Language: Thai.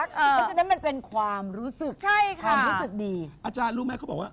เพราะฉะนั้นมันเป็นความรู้สึกใช่ค่ะความรู้สึกดีอาจารย์รู้ไหมเขาบอกว่า